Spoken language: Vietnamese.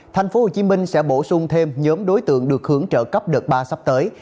thành phố hồ chí minh sẽ bổ sung thêm nhóm đối tượng được hướng trợ cấp đợt ba sắp tới